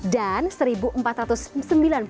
dan satu empat ratus sembilan puluh tujuh pekerja perempuan